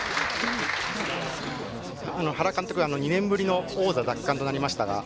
２年ぶりの王座奪還となりました。